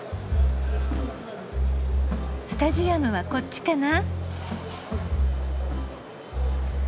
スタジアムはこっちかな？